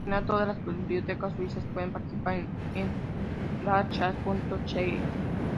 Por regla general, todas las bibliotecas suizas pueden participar en e-rara.ch.